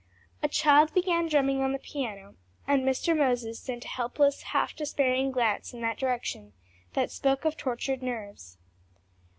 A child began drumming on the piano, and Mr. Moses sent a helpless, half despairing glance in that direction that spoke of tortured nerves.